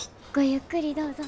ゆっくりどうぞ。